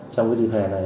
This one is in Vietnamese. trong cái dịp hè này